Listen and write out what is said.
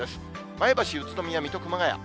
前橋、宇都宮、水戸、熊谷。